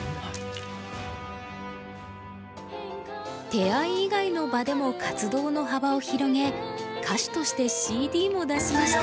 手合以外の場でも活動の幅を広げ歌手としてＣＤも出しました。